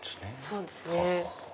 そうですね。